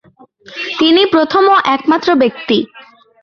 তিনি প্রথম ও একমাত্র ব্যক্তি।